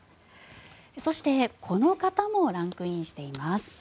そしてこの方もランクインしています。